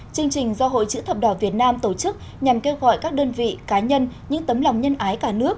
chương trình do hội chữ thập đỏ việt nam tổ chức nhằm kêu gọi các đơn vị cá nhân những tấm lòng nhân ái cả nước